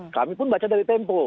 kami pun baca dari tempo